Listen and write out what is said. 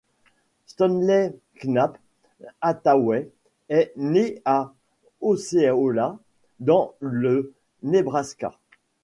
Stanley Knapp Hathaway est né à Osceola dans le Nebraska.